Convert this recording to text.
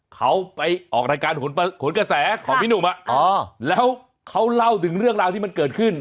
เขาไปออกรายการโหนกระแสของพี่หนุ่มแล้วเขาเล่าถึงเรื่องราวที่มันเกิดขึ้น